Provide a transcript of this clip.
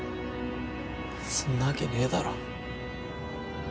そんなわけねぇだろ。